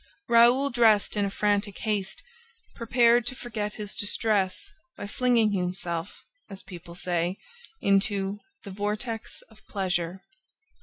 Raoul dressed in frantic haste, prepared to forget his distress by flinging himself, as people say, into "the vortex of pleasure."